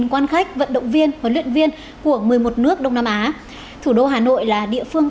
quan khách vận động viên huấn luyện viên của một mươi một nước đông nam á thủ đô hà nội là địa phương